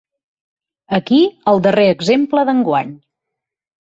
Aquí, el darrer exemple d'enguany.